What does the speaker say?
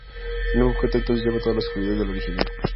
El nuevo objeto entonces lleva todas las cualidades de la original.